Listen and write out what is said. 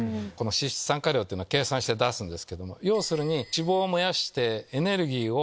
脂質酸化量ってのは計算して出すんですけども。